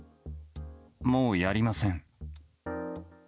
もうやりません。